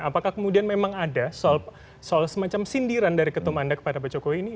apakah kemudian memang ada soal semacam sindiran dari ketum anda kepada pak jokowi ini